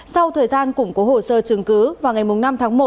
sau thời gian củng cố hồ sơ chứng cứ vào ngày năm tháng một